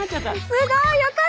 すごい。よかった。